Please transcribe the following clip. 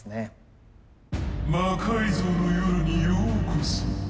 「魔改造の夜」にようこそ。